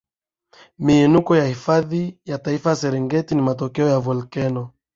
miinuko ya hifadhi ya taifa ya serengeti ni matokeo ya volkeno